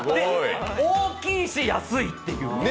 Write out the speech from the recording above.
大きいし安いっていう。